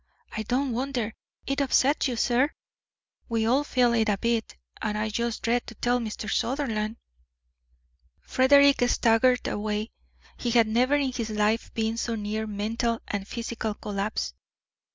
I don't wonder it upset you, sir. We all feel it a bit, and I just dread to tell Mr. Sutherland." Frederick staggered away. He had never in his life been so near mental and physical collapse.